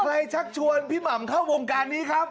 ชักชวนพี่หม่ำเข้าวงการนี้ครับ